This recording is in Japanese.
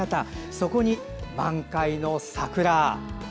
そこに満開の桜。